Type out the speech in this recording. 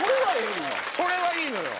それはいいのよ。